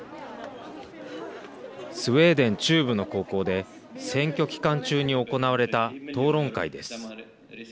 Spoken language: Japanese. スウェーデン中部の高校で選挙期間中に行われた討論会です。